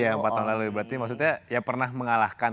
iya empat tahun lalu berarti maksudnya ya pernah mengalahkan